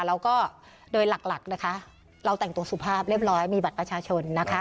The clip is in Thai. แล้วก็โดยหลักหลักนะคะเราแต่งตัวสุภาพเรียบร้อยมีบัตรประชาชนนะคะ